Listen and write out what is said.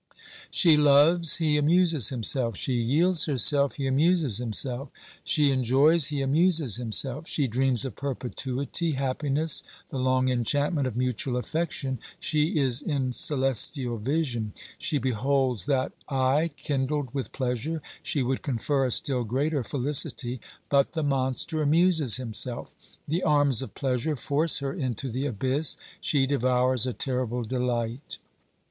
She loves, he amuses himself; she yields herself, he amuses himself; she enjoys, he amuses himself; she dreams of perpetuity, happiness, the long enchantment of mutual affection ; she is in celestial vision, she beholds that eye kindled with pleasure, she would confer a still greater felicity, but the monster amuses himself; the arms of pleasure force her into the abyss, she devours a terrible delight.